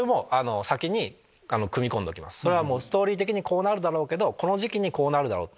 ストーリー的にこうなるだろうけどこの時期にこうなるだろう。